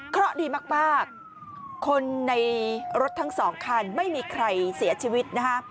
เพราะดีมากคนในรถทั้งสองคันไม่มีใครเสียชีวิตนะคะ